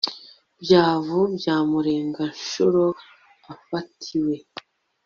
Byavu bya Mureganshuro afatiwe